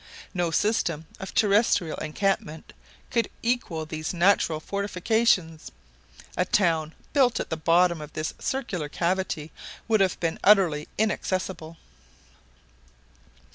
No system of terrestrial encampment could equal these natural fortifications. A town built at the bottom of this circular cavity would have been utterly inaccessible.